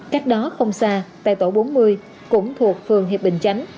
cách đó không xa tại tổ bốn mươi cũng thuộc phường hiệp bình chánh